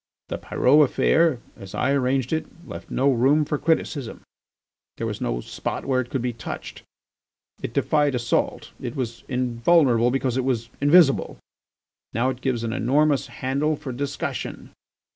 The Pyrot affair, as I arranged it, left no room for criticism; there was no spot where it could be touched. It defied assault. It was invulnerable because it was invisible. Now it gives an enormous handle for discussion.